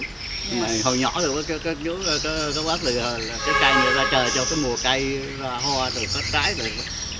nhưng mà hồi nhỏ thì có quá trời là trái cây ra trời cho cái mùa cây ra hoa rồi hết trái rồi